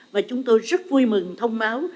và chúng tôi rất vui mừng thông báo